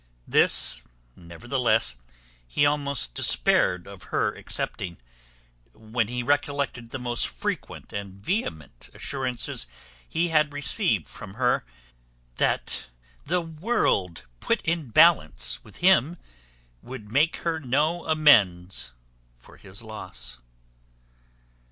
This, nevertheless, he almost despaired of her accepting, when he recollected the frequent and vehement assurances he had received from her, that the world put in balance with him would make her no amends for his loss.